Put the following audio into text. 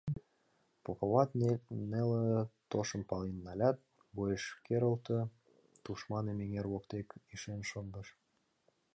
Поповат неле тошым пален налят, бойыш керылте, тушманым эҥер воктек ишен шындыш.